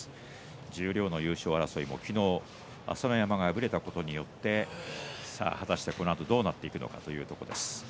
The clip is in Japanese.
十両の優勝争いも昨日、朝乃山が敗れたことによって果たして、このあとどうなっていくのかというところです。